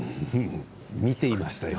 見ていましたよ。